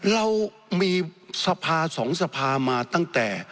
เรามีสภาสองสภามาตั้งแต่